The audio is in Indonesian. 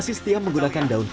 jadi ini sebuah kata lovely